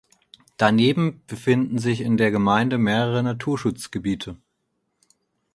Daneben befinden sich in der Gemeinde mehrere Naturschutzgebiete.